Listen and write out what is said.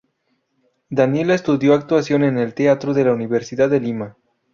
Daniela estudió actuación en el Teatro de la Universidad de Lima.